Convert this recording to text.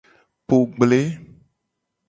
Po gble.